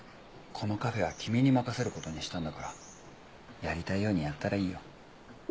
このカフェは君に任せる事にしたんだからやりたいようにやったらいいよ。